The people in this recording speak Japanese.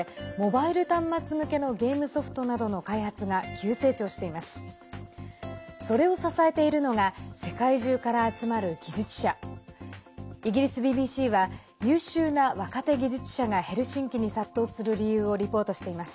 イギリスＢＢＣは優秀な若手技術者がヘルシンキに殺到する理由をリポートしています。